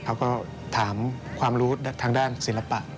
เขาก็ถามความรู้ทางด้านศิลปะ